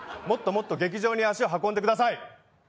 もっともっと劇場に足を運んでください。